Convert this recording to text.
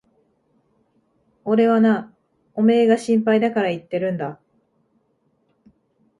俺はな、おめえが心配だから言ってるんだ。